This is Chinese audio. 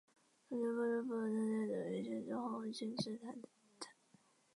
同时播出部分参赛者与监制黄慧君之对谈。